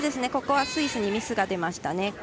ここはスイスにミスが出ましたね。